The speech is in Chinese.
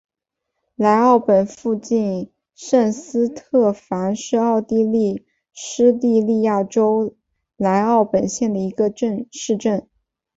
莱奥本附近圣斯特凡是奥地利施蒂利亚州莱奥本县的一个市镇。